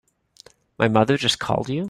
My mother just called you?